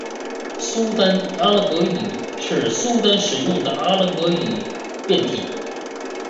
苏丹阿拉伯语是苏丹使用的阿拉伯语变体。